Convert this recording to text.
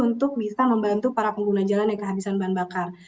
untuk bisa membantu para pengguna jalan yang kehabisan bahan bakar